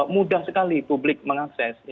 mudah sekali publik mengakses